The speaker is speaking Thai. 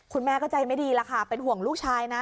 คุณแม่ก็ใจไม่ดีแล้วค่ะเป็นห่วงลูกชายนะ